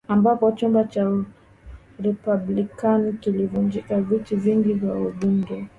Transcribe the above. ambapo chama cha republican kilijivunia viti vingi vya wambunge